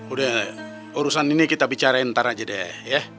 udah urusan ini kita bicara ntar aja deh ya